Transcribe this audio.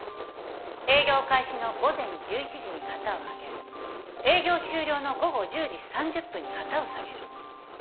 営業開始の午前１１時に旗を上げ営業終了の午後１０時３０分に旗を下げる。